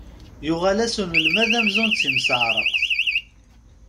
Yuɣal-as unelmad amzun d timseɛraqt.